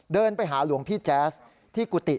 เดินไปหาหลวงพี่แจ๊สที่กุฏิ